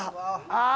ああ。